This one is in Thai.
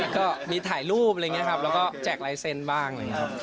ก็มีถ่ายรูปแล้วก็แจกลายเซ็นต์บ้าง